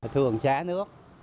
thường xá nước